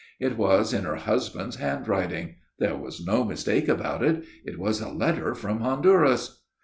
It was in her husband's handwriting. There was no mistake about it it was a letter from Honduras.